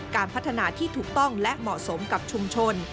การพัฒนาที่ถูกต้องและเหมาะสมกับชุมชน